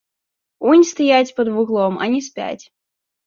Унь стаяць пад вуглом, а не спяць.